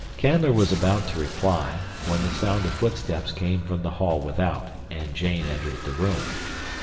Canler was about to reply, when the sound of footsteps came from the hall without, and Jane entered the room.